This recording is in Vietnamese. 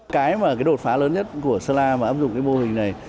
cái mà cái đột phá lớn nhất của sơn la mà áp dụng cái mô hình này